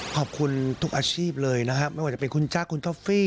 ขอบคุณทุกอาชีพเลยนะครับไม่ว่าจะเป็นคุณจ๊คคุณท็อฟฟี่